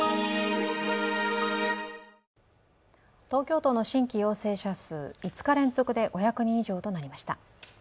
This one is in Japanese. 東京都の新規陽性者数５日連続で５００人以上となりました。